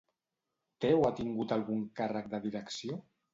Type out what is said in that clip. Té o ha tingut algun càrrec de direcció?